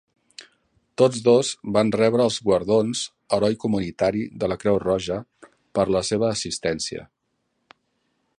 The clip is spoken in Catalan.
Tots dos van rebre els guardons "Heroi Comunitari" de la Creu Roja per la seva assistència.